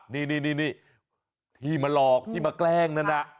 นี่ที่มาหลอกที่มาแกล้งนั่นน่ะ